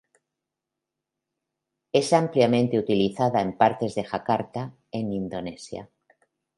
Es ampliamente utilizada en partes de Jakarta en Indonesia.